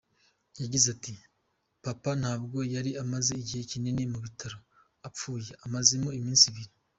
Yagize ati “Papa ntabwo yari amaze igihe kinini mu bitaro, apfuye amazemo iminsi ibiri.